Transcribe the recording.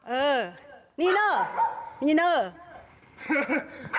เออนี่เนอร์นี่เนอร์